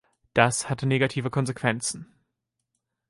Das hatte negative Konsequenzen.